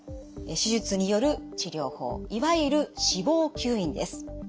手術による治療法いわゆる脂肪吸引です。